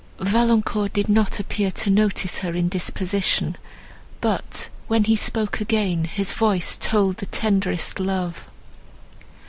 Valancourt did not appear to notice her indisposition, but, when he spoke again, his voice told the tenderest love.